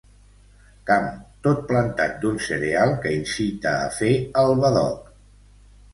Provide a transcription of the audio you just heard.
Camp tot plantat d'un cereal que incita a fer el badoc.